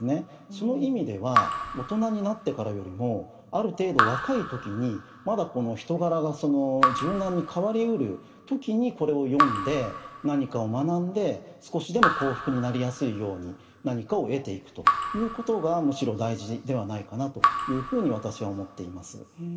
その意味では大人になってからよりもある程度若い時にまだこの人柄が柔軟に変わりうる時にこれを読んで何かを学んで少しでも幸福になりやすいように何かを得ていくということがむしろ大事ではないかなというふうに私は思っています。